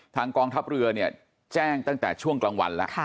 กองทัพเรือเนี่ยแจ้งตั้งแต่ช่วงกลางวันแล้ว